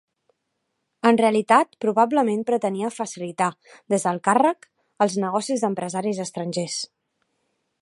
En realitat probablement pretenia facilitar des del càrrec els negocis d'empresaris estrangers.